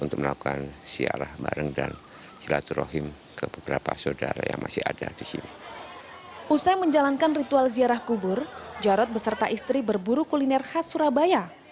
usai menjalankan ritual ziarah kubur jarod beserta istri berburu kuliner khas surabaya